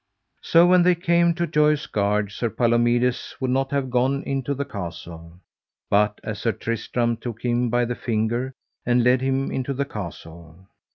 So when they came to Joyous Gard Sir Palomides would not have gone into the castle, but as Sir Tristram took him by the finger, and led him into the castle.